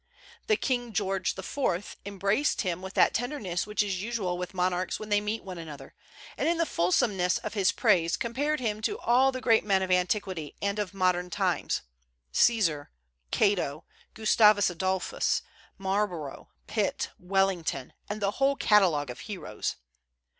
The King George IV. embraced him with that tenderness which is usual with monarchs when they meet one another, and in the fulsomeness of his praises compared him to all the great men of antiquity and of modern times, Caesar, Cato, Gustavus Adolphus, Marlborough, Pitt, Wellington, and the whole catalogue of heroes.